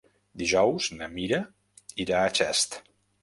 Dijous na Mira irà a Xest.